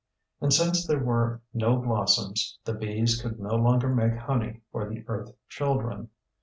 And since there were no blossoms the bees could no longer make honey for the earth children.